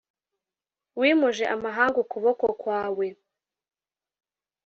wimuje amahanga ukuboko kwawe